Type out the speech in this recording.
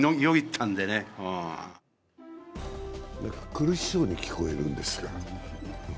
苦しそうに聞こえるんですが。